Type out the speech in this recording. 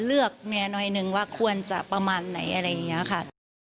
เลือกเมียน้อยหนึ่งว่าควรจะประมาณไหนอะไรอย่างนี้ค่ะ